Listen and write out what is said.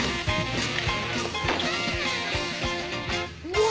うわ！